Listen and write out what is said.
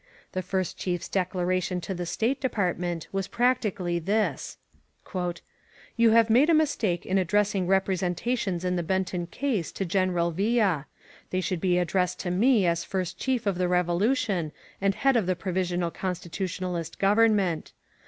The First Chiers declaration to the State De partment was practically this: ^^ou have made a mistake in addressing represen tations in the Benton case to Gieneral Villa. They should be addressed to me as First Chief of the Revo lution and head of the Provisional Constitutionalist Government.